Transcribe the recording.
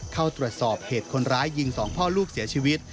เข้าตรวจสอบเหตุคนร้ายยิง๒พ่อลูกเสียชีวิต